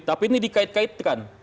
tapi ini dikait kaitkan